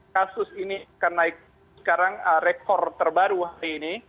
kasus ini kenaikan sekarang rekor terbaru hari ini